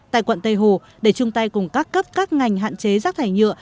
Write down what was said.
tại quận tây hồ để chung tay cùng các cấp các ngành hạn chế rác thải nhựa